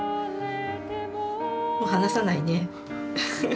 もう離さないね。